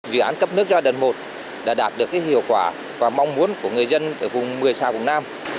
dự án cấp nước giai đoạn một đã đạt được hiệu quả và mong muốn của người dân ở vùng một mươi xã vùng nam